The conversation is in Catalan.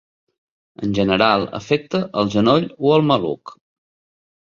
En general, afecta el genoll o el maluc.